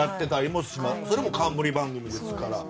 それも冠番組ですから。